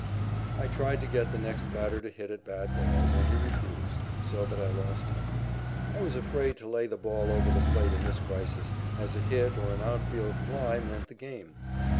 I tried to get the next batter to hit at bad balls, and he refused, so that I lost him. I was afraid to lay the ball over the plate in this crisis, as a hit or an outfield fly meant the game.